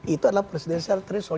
itu adalah presiden sertresul